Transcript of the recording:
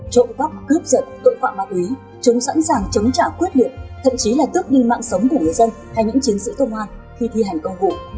trộm tóc cướp giật tội phạm ác úy chống sẵn sàng chống trả quyết liệt thậm chí là tước điên mạng sống của người dân hay những chiến sĩ công an khi thi hành công vụ